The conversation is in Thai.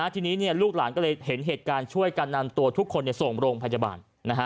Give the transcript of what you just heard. ทีนี้ลูกหลานก็เลยเห็นเหตุการณ์ช่วยกันนำตัวทุกคนส่งโรงพยาบาล